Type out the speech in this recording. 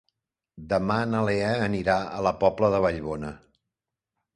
Demà na Lea anirà a la Pobla de Vallbona.